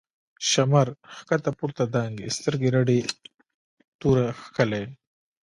” شمر” ښکته پورته دانگی، سترگی رډی توره کښلی